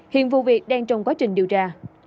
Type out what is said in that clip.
hiện vụ việc đang trong quá trình điều tra